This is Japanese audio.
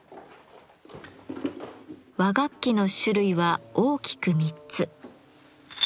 和楽器の種類は大きく３つ。